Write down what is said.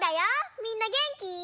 みんなげんき？